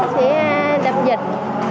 sẽ đập dịch